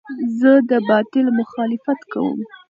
زه د باطل مخالفت کوم.